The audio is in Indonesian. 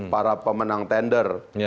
para pemenang tender